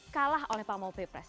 kalah oleh pamor ppres